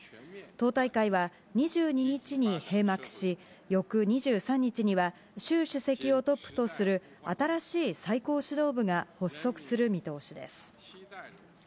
党大会は２２日に閉幕し、翌２３日には、習主席をトップとする新しい最高指導部が発足する見通しです。